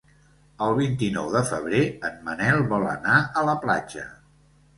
El vint-i-nou de febrer en Manel vol anar a la platja.